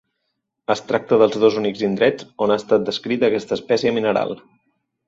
Es tracta dels dos únics indrets on ha estat descrita aquesta espècie mineral.